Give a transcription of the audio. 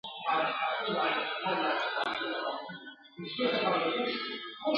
په کاږه نظر چي ګوري زما لیلا ښکلي وطن ته ..